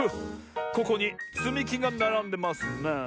ここにつみきがならんでますね。